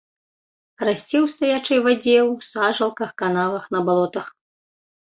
Расце ў стаячай вадзе ў сажалках, канавах, на балотах.